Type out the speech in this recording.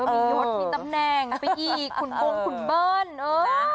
มียศมีตำแหน่งไปอีกขุนวงขุนเบิ้ลเออ